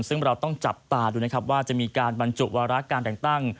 ซึ่งเราต้องจับตาดูนะครับว่าจะมีการบรรจุวาระการแต่งตั้ง